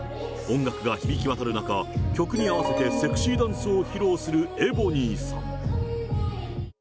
音楽が響き渡る中、曲に合わせてセクシーダンスを披露するエボニーさん。